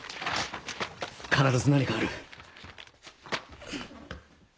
必ず何かある。